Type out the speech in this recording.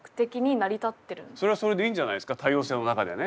それはそれでいいんじゃないですか多様性の中でね。